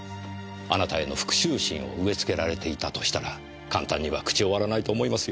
あなたへの復讐心を植えつけられていたとしたら簡単には口を割らないと思いますよ。